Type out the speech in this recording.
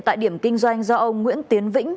tại điểm kinh doanh do ông nguyễn tiến vĩnh